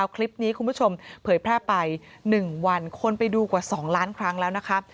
คลิปนี้คุณผู้ชมเผยแพร่ไป๑วันคนไปดูกว่า๒ล้านครั้งแล้วนะคะ